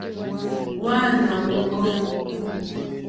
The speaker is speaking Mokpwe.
Hwáǃánáá wɔ̀ŋɡɔ́.